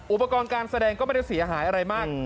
อุปกรณ์การแสดงก็ไม่ได้เสียหายอะไรมาก